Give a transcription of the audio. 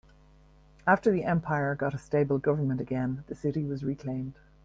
After the empire got a stable government again, the city was reclaimed.